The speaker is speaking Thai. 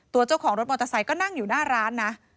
ตัวเจ้าของรถมอเตอร์ไซค์ก็นั่งอยู่หน้าร้านนะ